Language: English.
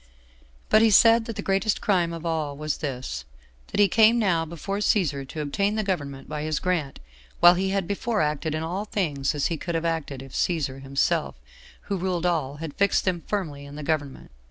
But he said that the greatest crime of all was this, that he came now before Cæsar to obtain the government by his grant, while he had before acted in all things as he could have acted if Cæsar himself, who ruled all, had fixed him firmly in the government.